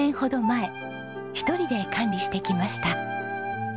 １人で管理してきました。